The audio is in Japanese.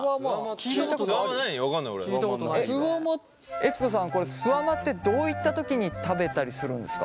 悦子さんこれすわまってどういった時に食べたりするんですか？